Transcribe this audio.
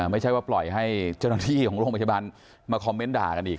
ไม่ใช่ว่าปล่อยให้เจ้าหน้าที่ของโรงพยาบาลมาคอมเมนต์ด่ากันอีก